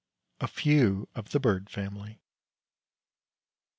A FEW OF THE BIRD FAMILY.